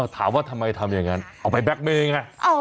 ถามว่าทำไมทำอย่างนั้นเอาไปแบ็กเมอร์อย่างนั้น